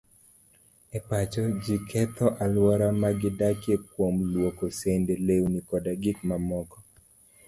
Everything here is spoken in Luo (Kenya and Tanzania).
E pacho, ji ketho alwora ma gidakie kuom lwoko sende, lewni, koda gik mamoko.